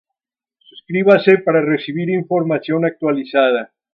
Subscríbase para recibir información actualizada